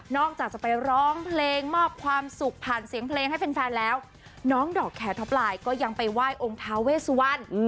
จากจะไปร้องเพลงมอบความสุขผ่านเสียงเพลงให้แฟนแล้วน้องดอกแคร์ท็อปไลน์ก็ยังไปไหว้องค์ท้าเวสวัน